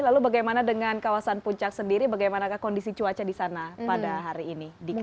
lalu bagaimana dengan kawasan puncak sendiri bagaimana kondisi cuaca di sana pada hari ini dika